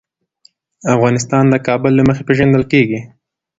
افغانستان د کابل له مخې پېژندل کېږي.